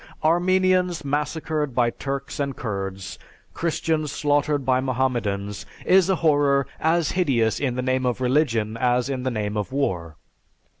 "Armenians massacred by Turks and Kurds; Christians slaughtered by Mohammedans is a horror as hideous in the name of religion as in the name of war.